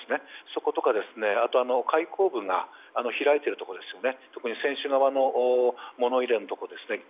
そことか、開口部が開いているところ船首側のものいれのところですね